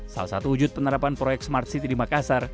salah satu wujud penerapan proyek smart city di makassar